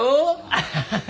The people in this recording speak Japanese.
アハハハ。